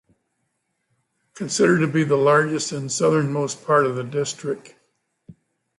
Considered to be the largest and southernmost part of the district.